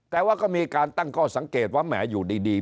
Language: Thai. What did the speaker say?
แต่ว่าก็มีการตั้งข้อสังเกตว่าแหมอยู่ดี